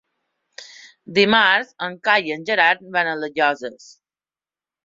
Dimarts en Cai i en Gerard van a les Llosses.